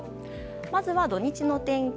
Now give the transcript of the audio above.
まずは土日の天気。